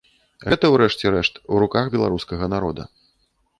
Гэта, у рэшце рэшт, у руках беларускага народа.